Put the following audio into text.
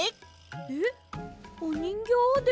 えっおにんぎょうをですか？